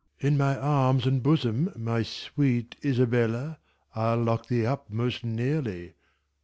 Alib. In my arms and bosom, my sweet Isabella, I'll lock thee up most nearly.